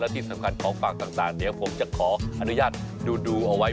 ที่สำคัญของฝากต่างเดี๋ยวผมจะขออนุญาตดูเอาไว้